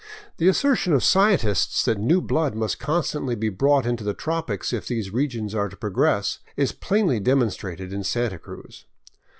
The assertion of scientists that new blood must constantly be brought to the tropics if these regions are to progress, is plainly demonstrated in Santa Cruz.